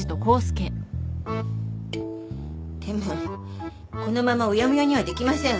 でもこのままうやむやにはできません。